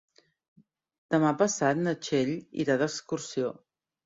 Demà passat na Txell irà d'excursió.